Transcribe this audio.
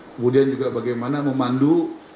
kemudian juga bagaimana memandu